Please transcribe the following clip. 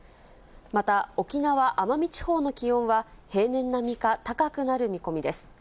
また沖縄・奄美地方の気温は、平年並みか高くなる見込みです。